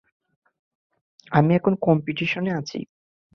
আমি এখন কম্পিটিশনে আছি।